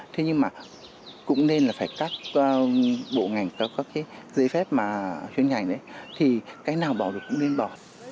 thế nhưng mà cũng nên là phải các bộ ngành các giấy phép mà chuyên ngành đấy thì cách nào bỏ được cũng nên bỏ